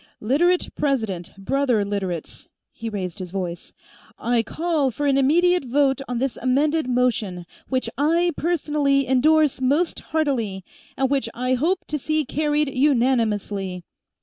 "Literate President, brother Literates," he raised his voice. "I call for an immediate vote on this amended motion, which I, personally, endorse most heartily, and which I hope to see carried unanimously."